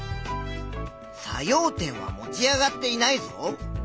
作用点は持ち上がっていないぞ。